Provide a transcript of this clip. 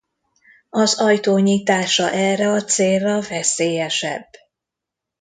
Az ajtó nyitása erre a célra veszélyesebb.